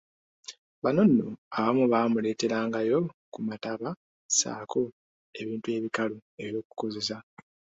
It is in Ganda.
Bano nno abamu baamuleeterangayo ku mataaba ssaako ebintu ebikalu ebyokukozesa.